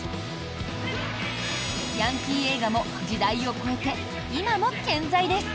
ヤンキー映画も時代を超えて、今も健在です！